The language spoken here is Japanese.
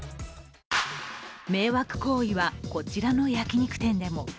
迷惑行為はこちらの焼き肉店でも。